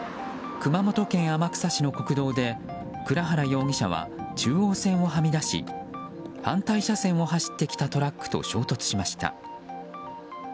熊本県天草市の国道で倉原容疑者は中央線をはみ出し反対車線を走ってきたトラックと衝突しました。